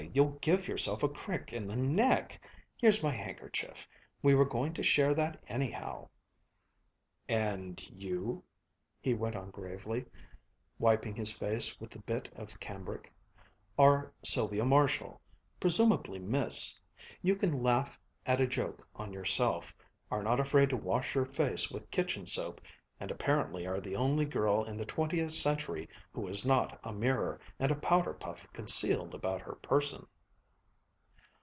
You'll give yourself a crick in the neck. Here's my handkerchief. We were going to share that, anyhow." "And you," he went on gravely, wiping his face with the bit of cambric, "are Sylvia Marshall, presumably Miss; you can laugh at a joke on yourself; are not afraid to wash your face with kitchen soap; and apparently are the only girl in the twentieth century who has not a mirror and a powder puff concealed about her person."